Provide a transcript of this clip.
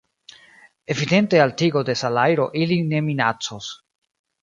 Evidente altigo de salajro ilin ne minacos.